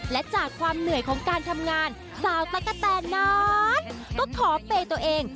และจากความเหนื่อยของการทำงานสาวตั๊กกะแตนนั้นก็ขอเปย์ตัวเอง